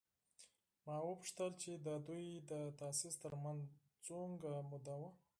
ما وپوښتل چې د دوی د تاسیس تر منځ څومره موده وه؟